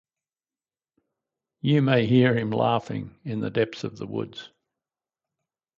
You may hear him laughing in the depths of the woods.